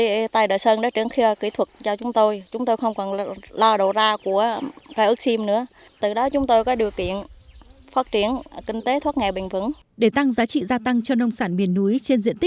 huyện tây trà đã triển khai chín dự án theo hình thức phát triển liên kết chuỗi giá trị gắn sản xuất với tiêu thụ